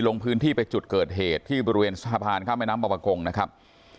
ลงพื้นที่ไปจุดเกิดเหตุที่บริเวณสะพานข้ามแม่น้ำบรกงนะครับ